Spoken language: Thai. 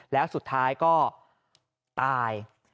แล้วสุดท้ายก็ตาย